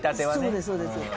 そうですそうです。